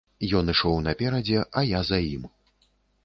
Ён ішоў наперадзе, а я за ім.